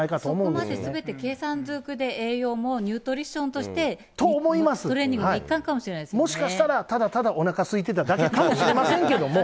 そこまですべて計算ずくで栄養もニュートリションとして、トレーニングの一環かもしれませんもしかしたら、ただただおなかすいてただけかもしれませんけれども。